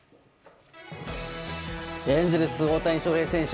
エンゼルス、大谷翔平選手